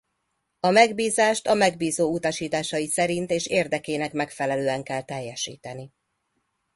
A megbízást a megbízó utasításai szerint és érdekének megfelelően kell teljesíteni.